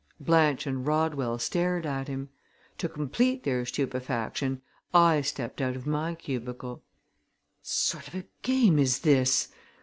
Blanche and Rodwell stared at him. To complete their stupefaction I stepped out of my cubicle. "What sort of a game is this?"